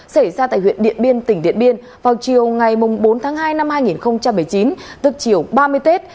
xảy ra tại huyện điện biên tỉnh điện biên vào chiều ngày bốn tháng hai năm hai nghìn một mươi chín tức chiều ba mươi tết